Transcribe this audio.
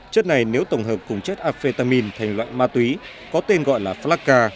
chất này nếu tổng hợp cùng chất afetamin thành loại ma túy có tên gọi là flacca